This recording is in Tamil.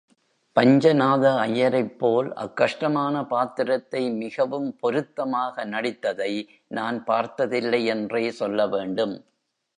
பஞ்சநாத ஐயரைப்போல் அக் கஷ்டமான பாத்திரத்தை மிகவும் பொருத்தமாக நடித்ததை, நான் பார்த்ததில்லை யென்றே சொல்ல வேண்டும்.